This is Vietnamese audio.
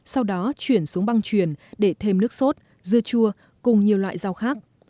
sau đó chuyển xuống băng truyền để thêm nước sốt dưa chua cùng nhiều loại rau khác